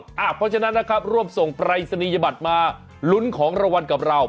เพราะฉะนั้นนะครับร่วมส่งปรายศนียบัตรมาลุ้นของรางวัลกับเรา